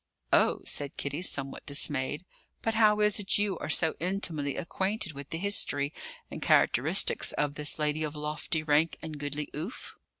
"Oh!" said Kitty, somewhat dismayed. "But how is it you are so intimately acquainted with the history and characteristics of this lady of lofty rank and goodly oof?"